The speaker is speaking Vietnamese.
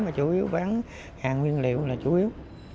mà chủ yếu bán hàng nguyên liệu là chủ yếu